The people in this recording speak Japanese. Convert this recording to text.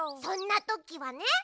そんなときはね。